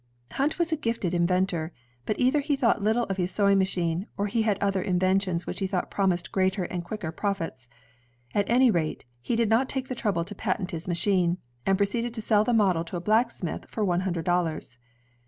Hunt was a gifted inventor. But either he thought little of his sewing machine, or he had other inventions which he thought promised greater and quicker profits. At any rate, he did not take the trouble to patent his machine, and proceeded to sell the model to a blacksmith for one himdred dollars.